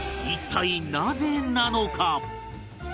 一体なぜなのか？